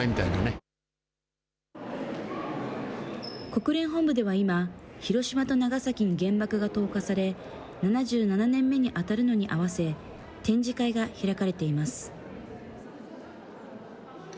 国連本部では今、広島と長崎に原爆が投下され、７７年目に当たるのに合わせ、展示会が開かれています。